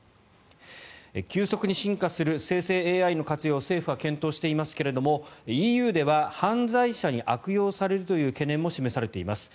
急速に進化する生成ＡＩの活用を政府は検討していますがＥＵでは犯罪者に悪用されるという懸念も示されています。